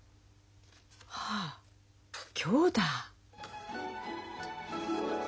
ああ今日だ。